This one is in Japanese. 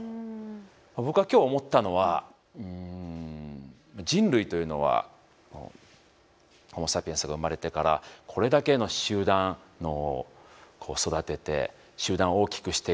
僕は今日思ったのは人類というのはホモ・サピエンスが生まれてからこれだけの集団脳を育てて集団を大きくしていって。